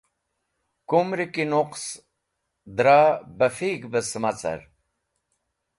Kumri ki nuqs dra bafig̃h bẽ sẽma car.